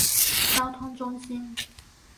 交通中心。